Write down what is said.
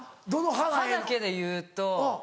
歯だけで言うと。